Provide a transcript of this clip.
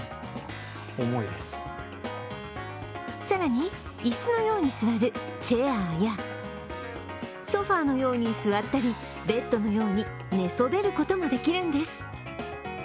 更に椅子のように座るチェアーや、ソファーのように座ったり、ベッドのように寝そべることもできるんです。